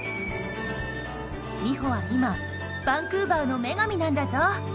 美帆は今バンクーバーの女神なんだぞ！